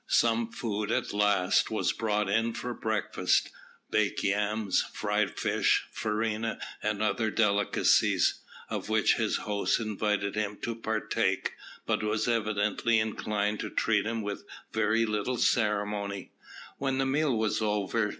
Some food at last was brought in for breakfast baked yams, fried fish, farina, and other delicacies, of which his host invited him to partake, but was evidently inclined to treat him with very little ceremony. When the meal was over.